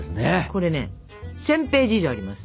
これね１，０００ページ以上あります。